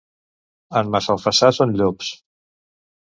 En Massalfassar són llops.